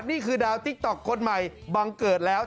นี่คือดาวติ๊กต๊อกคนใหม่บังเกิดแล้ว